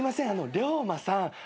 龍馬さん